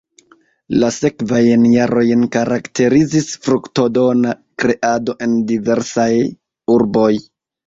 La sekvajn jarojn karakterizis fruktodona kreado en diversaj urboj.